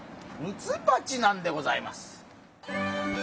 ミツバチなんでございます。